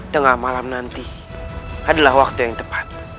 tengah malam nanti adalah waktu yang tepat